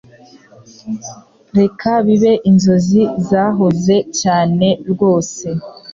Reka bibe inzozi zahoze cyane rwose